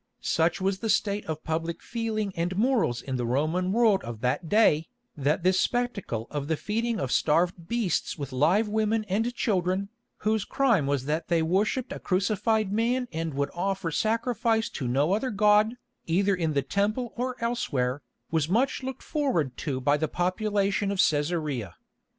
Such was the state of public feeling and morals in the Roman world of that day, that this spectacle of the feeding of starved beasts with live women and children, whose crime was that they worshipped a crucified man and would offer sacrifice to no other god, either in the Temple or elsewhere, was much looked forward to by the population of Cæsarea.